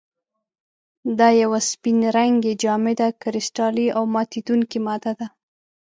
دا یوه سپین رنګې، جامده، کرسټلي او ماتیدونکې ماده ده.